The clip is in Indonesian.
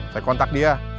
saya kontak dia